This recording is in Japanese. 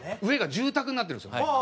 上が住宅になってるんですよ